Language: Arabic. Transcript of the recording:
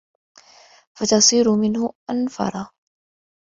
فَتَصِيرُ مِنْهُ أَنْفَرَ